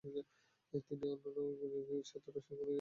তিনি অন্যান্য বিজ্ঞানীদের সাথে রসায়ন ও খনিজবিজ্ঞান নিয়ে চর্চা করেন।